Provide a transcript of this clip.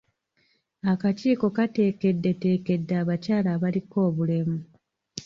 Akakiiko kateekeddeteekedde abakyala abaliko obulemu.